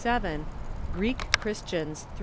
47 Greek Christians ...